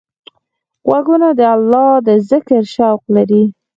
غوږونه د الله د ذکر شوق لري